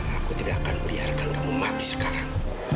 aku tidak akan biarkan kamu mati sekarang